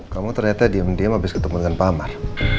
kamu ternyata diem diem abis ketemu dengan pak amar